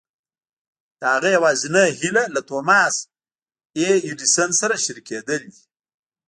د هغه يوازېنۍ هيله له توماس اې ايډېسن سره شريکېدل دي.